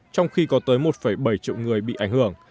trong khi có tới một bảy triệu người bị ảnh hưởng